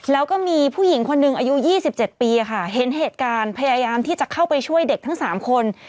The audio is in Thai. แล้วก็มีผู้หญิงคนหนึ่งอายุ๒๗ปีค่ะเห็นเหตุการณ์พยายามที่จะเข้าไปช่วยเด็กทั้ง๓คน